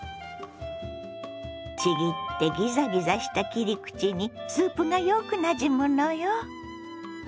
ちぎってギザギザした切り口にスープがよくなじむのよ。